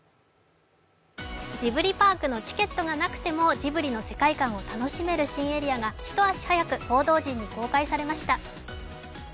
ジブリパークのチケットがなくてもジブリの世界観を楽しめる新エリアが一足早く報道陣に公開されました。